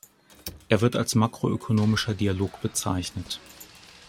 Er wird als makroökonomischer Dialog bezeichnet.